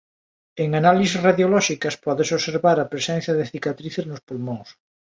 En análises radiolóxicas pódese observar a presenza de cicatrices nos pulmóns.